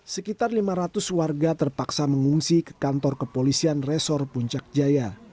sekitar lima ratus warga terpaksa mengungsi ke kantor kepolisian resor puncak jaya